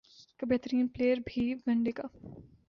کا بہترین پلئیر بھی ون ڈے کا